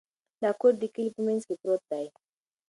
دا کور د کلي په منځ کې پروت دی.